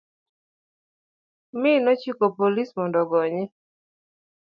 mi nochiko polis mondo ogonye.